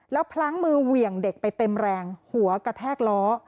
แล้วพลั้งมือเหวี่ยงเด็กไปเต็มแรงหัวกระแทกล้อ